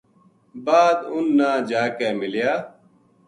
بعد اُن نا جا کے ملیا